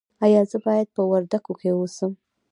ایا زه باید په وردګو کې اوسم؟